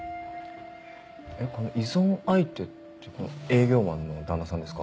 えっこの依存相手って営業マンの旦那さんですか？